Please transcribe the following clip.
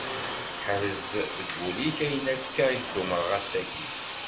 Ḥrez deg wul-ik ayen akka i k-d-umṛeɣ, ass-agi.